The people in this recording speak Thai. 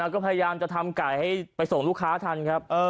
ก็พยายามจะทำไก่ให้ไปส่งลูกค้าทันครับ